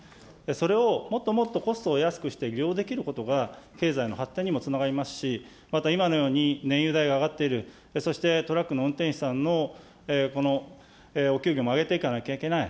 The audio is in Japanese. それをもっともっとコストを安くして利用できることが経済の発展にもつながりますし、また今のように燃油代が上がっている、そしてトラックの運転手さんのこのお給料も上げていかなきゃいけない。